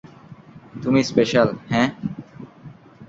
তুমি স্পেশাল, হ্যাঁ?